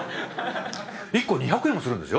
１個２００円もするんですよ。